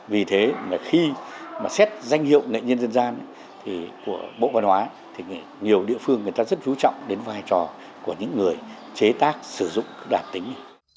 vì thế mà khi mà xét danh hiệu nghệ nhân dân gian của bộ văn hóa thì nhiều địa phương người ta rất chú trọng đến vai trò của những người chế tác sử dụng đàn tính